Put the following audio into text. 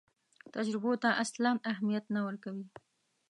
تجربو ته اصلاً اهمیت نه ورکوي.